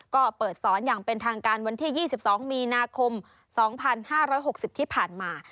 ก็เปิดสอนอย่างเป็นทางการวันที่๒๒มีนาคม๒๕๖๐ที่ผ่านมา